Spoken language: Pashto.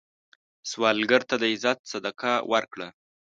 سوالګر ته د عزت صدقه ورکړه